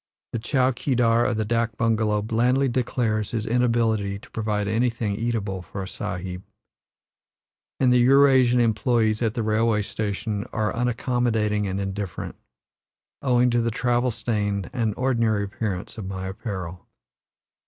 The chow keedar of the dak bungalow blandly declares his inability to provide anything eatable for a Sahib, and the Eurasian employes at the railway station are unaccommodating and indifferent, owing to the travel stained and ordinary appearance of my apparel.